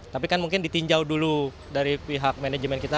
tapi kan mungkin ditinjau dulu dari pihak manajemen kita